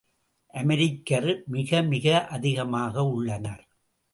அமெரிக்கர் மிகமிக அதிகமாக உள்ளனர்.